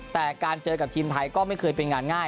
แต่การเจอกับทีมไทยก็ไม่เคยเป็นงานง่าย